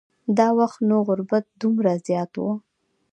دا وخت نو غربت دومره زیات و.